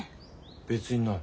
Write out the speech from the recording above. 別にない。